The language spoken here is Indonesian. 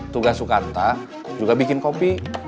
tugas sukanta juga bikin kopi